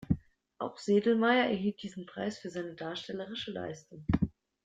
Auch Sedlmayr erhielt diesen Preis für seine darstellerische Leistung.